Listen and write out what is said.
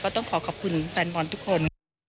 ต้องขอขอบคุณแฟนบอลทุกคน